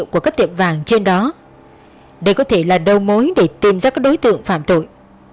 có thể là đầu mối để tìm ra các đối tượng phạm tội